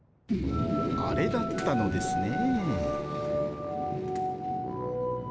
あれだったのですね。